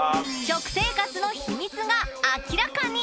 食生活の秘密が明らかに！